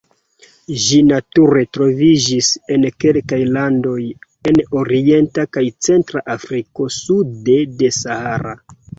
Ĝi nature troviĝis en kelkaj landoj en Orienta kaj Centra Afriko sude de Sahara.